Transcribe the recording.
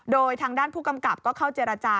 โดยทางด้านผู้กำกับก็เข้าเจรจา